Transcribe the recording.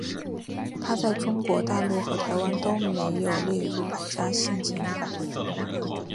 它在中国大陆和台湾都没有列入百家姓前一百位。